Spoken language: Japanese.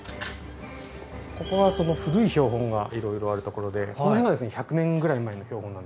ここは古い標本がいろいろあるところでこの辺が１００年ぐらい前の標本なんですね。